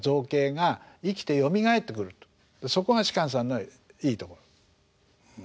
そこが芝さんのいいところ。